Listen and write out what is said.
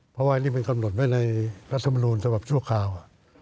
เพราะว่านี่เป็นกำหนดไว้ในรัฐมนุนสำหรับชั่วข่าว